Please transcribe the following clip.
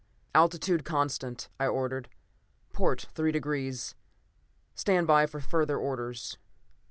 "Altitude constant," I ordered. "Port three degrees. Stand by for further orders."